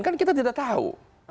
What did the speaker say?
kan kita tidak tahu